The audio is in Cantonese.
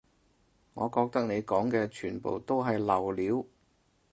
我覺得你講嘅全部都係流料